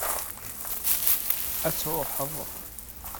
ad truḥeḍ